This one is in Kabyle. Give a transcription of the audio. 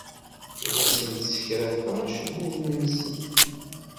Ur asent-ssekrafeɣ acebbub-nsent.